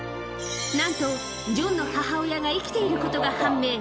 なんとジョンの母親が生きていることが判明。